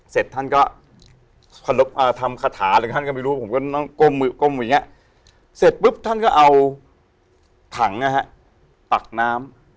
เสร็จท่านก็ทำคาถาผมก็กลมอย่างนี้เสร็จปุ๊บท่านก็เอาถังตักน้ำ